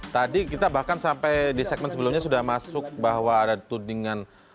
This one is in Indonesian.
tadi kita bahkan sampai di segmen sebelumnya sudah masuk bahwa ada tudingan